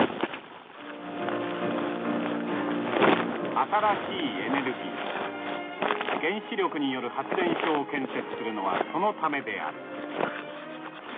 「新しいエネルギー原子力による発電所を建設するのはそのためである」。